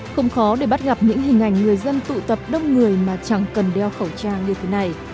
không khó để bắt gặp những hình ảnh người dân tụ tập đông người mà chẳng cần đeo khẩu trang như thế này